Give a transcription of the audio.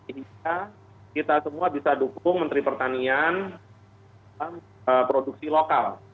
jadi kita semua bisa dukung menteri pertanian produksi lokal